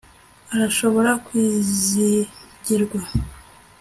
Arashobora kwizigirwa